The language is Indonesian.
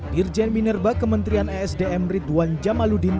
dirjen minerba kementerian esdm ridwan jamaludin